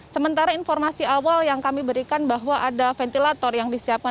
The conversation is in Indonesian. sementara informasi awal yang kami berikan bahwa ada ventilator yang disiapkan